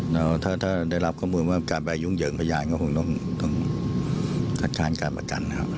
แล้วถ้าได้รับกระบวนว่าการไปยุ่งเหยิงพยานก็คงต้องทักทานการประกัน